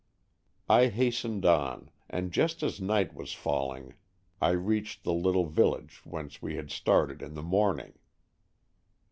I hastened on, and just as night was falling I reached the little village whence we had started in the morning.